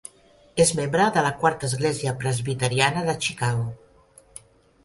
És membre de la Quarta església presbiteriana de Chicago.